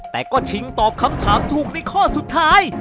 แต่ก็ชิงตอบคำถามถูกในข้อสุดท้าย